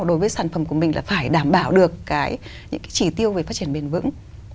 đối với sản phẩm của mình là phải đảm bảo được những cái chỉ tiêu về phát triển bền vững